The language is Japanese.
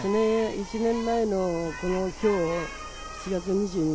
１年前の今日、７月２２日